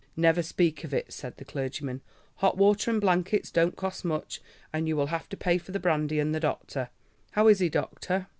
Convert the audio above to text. "Never speak of it," said the clergyman. "Hot water and blankets don't cost much, and you will have to pay for the brandy and the doctor. How is he, doctor?"